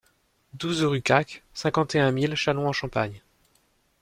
douze rue Caque, cinquante et un mille Châlons-en-Champagne